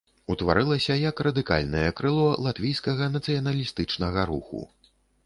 Утварылася як радыкальнае крыло латвійскага нацыяналістычнага руху.